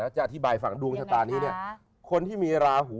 หรือจะอธิบายฝั่งดวงชะตานี่เนี้ย